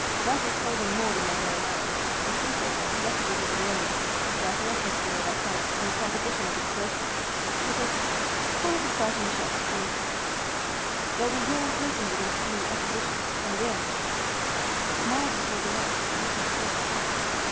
That will tell them more than they know now (or think they know; much of it is erroneous) about the atmosphere of our planet and the composition of its surface. It is call it a sighting shot, Khee. They'll be here in person within a few oppositions. And then " Mars was holding out, waiting for Earth to come.